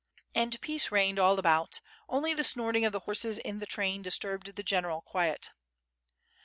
And peace reigned all about, only the snorting of the horses in the train disturbed the general quiet.